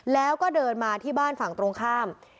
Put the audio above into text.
แล้วก็เดินมาที่บ้านฝั่งตรงข้าม